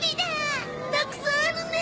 たくさんあるね！